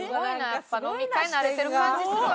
やっぱ飲み会慣れてる感じするわ。